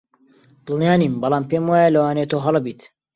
دڵنیا نیم، بەڵام پێم وایە لەوانەیە تۆ هەڵە بیت.